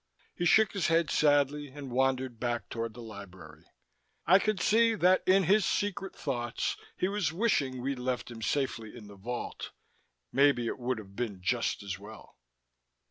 He shook his head sadly and wandered back toward the library. I could see that in his secret thoughts, he was wishing we'd left him safely in the vault. Maybe it would have been just as well.